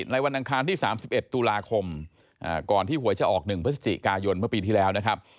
วันอังคารที่๓๑ตุลาคมก่อนที่หวยจะออก๑พฤศจิกายนเมื่อปีที่แล้วนะครับ